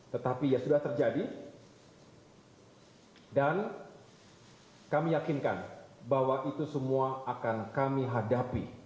tetapi ya sudah terjadi dan kami yakinkan bahwa itu semua akan kami hadapi